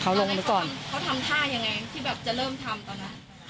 เขาทำท่ายังไงที่แบบจะเริ่มทำตอนนั้น